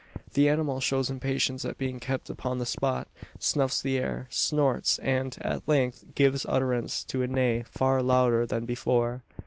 The animal shows impatience at being kept upon the spot; snuffs the air; snorts; and, at length, gives utterance to a neigh, far louder than before!